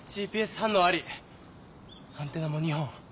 反応ありアンテナも２本。